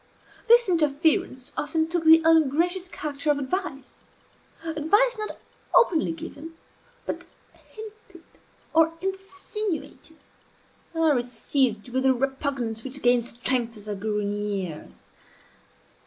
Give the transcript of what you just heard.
This interference often took the ungracious character of advice; advice not openly given, but hinted or insinuated. I received it with a repugnance which gained strength as I grew in years.